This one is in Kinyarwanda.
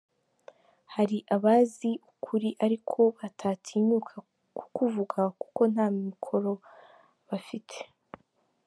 Hari abazi ukuri ariko batatinyuka kukuvuga kuko nta mikoro bafite.